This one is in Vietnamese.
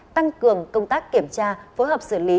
tăng cường công tác kiểm tra phối hợp xử lý